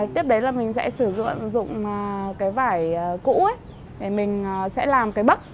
tiếp đến là mình sẽ sử dụng cái vải cũ để mình sẽ làm cái bấc